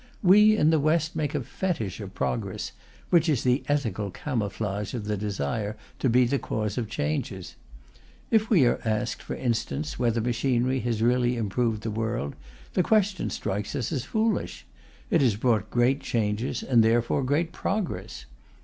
We in the West make a fetish of "progress," which is the ethical camouflage of the desire to be the cause of changes. If we are asked, for instance, whether machinery has really improved the world, the question strikes us as foolish: it has brought great changes and therefore great "progress."